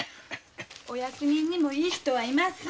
お役人にもいい人がいます。